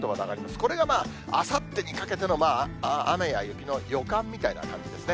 これがまあ、あさってにかけての雨や雪の予感みたいな感じですね。